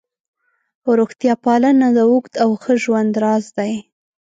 روغتیا پالنه د اوږد او ښه ژوند راز دی.